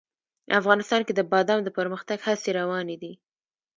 افغانستان کې د بادام د پرمختګ هڅې روانې دي.